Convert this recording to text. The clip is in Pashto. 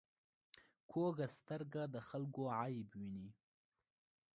کوږه سترګه د خلکو عیب ویني